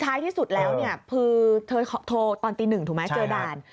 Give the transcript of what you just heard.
ท้ายที่สุดแล้วเนี่ยคือเธอโทรตอนตีหนึ่งถูกไหมเจอด่าน